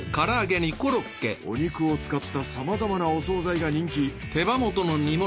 お肉を使ったさまざまなお惣菜が人気。